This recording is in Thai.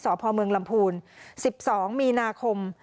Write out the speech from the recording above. สพลำพูล๑๒มีนาคม